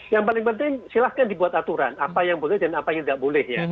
yang paling penting silahkan dibuat aturan apa yang boleh dan apa yang tidak boleh ya